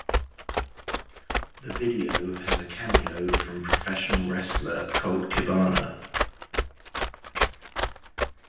The video has a cameo from professional wrestler Colt Cabana.